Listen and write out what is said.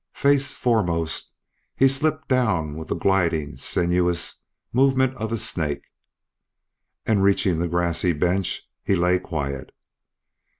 Face foremost he slipped downward with the gliding, sinuous movement of a snake, and reaching the grassy bench he lay quiet.